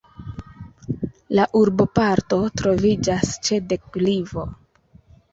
La urboparto troviĝas ĉe deklivo.